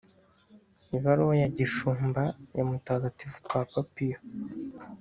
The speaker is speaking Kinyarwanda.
ibaruwa ya gishumba ya mutagatifu papa piyo